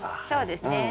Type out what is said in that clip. そうですね。